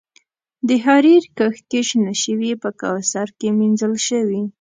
د حریر کښت کې شنه شوي په کوثر کې مینځل شوي